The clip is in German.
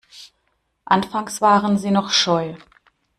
Anfangs waren sie noch scheu.